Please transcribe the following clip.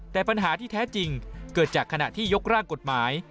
แต่ปัญหาที่แท้จริงเกิดจากขณะที่ยกร่างกฎหมาย